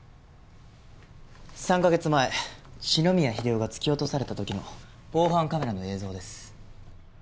３カ月前四ノ宮英夫が突き落とされた時の防犯カメラの映像です。